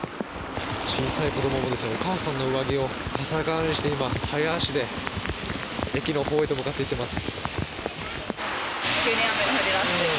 小さい子どもがお母さんの上着を傘代わりにして今、早足で駅のほうへと向かっていきます。